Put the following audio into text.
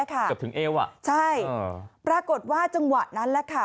เกือบถึงเอวอ่ะใช่ปรากฏว่าจังหวะนั้นแหละค่ะ